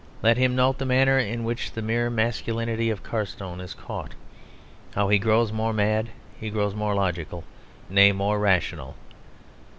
Let him note the manner in which the mere masculinity of Carstone is caught; how as he grows more mad he grows more logical, nay, more rational.